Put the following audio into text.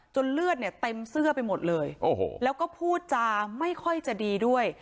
เลือดเนี่ยเต็มเสื้อไปหมดเลยแล้วก็พูดจาไม่ค่อยจะดีด้วย